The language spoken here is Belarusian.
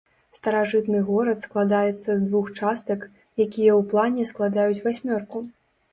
Старажытны горад складаецца з двух частак, якія ў плане складаюць васьмёрку.